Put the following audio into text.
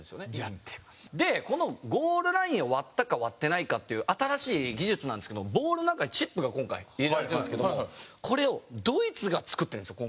このゴールラインを割ったか割ってないかっていう新しい技術なんですけどボールの中にチップが今回入れられてるんですけどもこれをドイツが作ってるんですよ